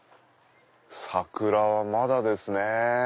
桜はまだですね。